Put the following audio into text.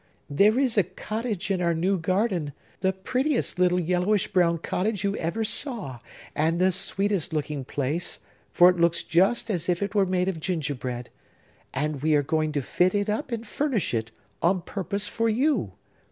There is a cottage in our new garden,—the prettiest little yellowish brown cottage you ever saw; and the sweetest looking place, for it looks just as if it were made of gingerbread,—and we are going to fit it up and furnish it, on purpose for you.